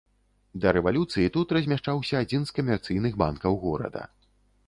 Да рэвалюцыі тут размяшчаўся адзін з камерцыйных банкаў горада.